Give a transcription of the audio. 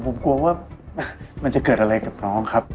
ผมกลัวว่ามันจะเกิดอะไรกับน้องครับ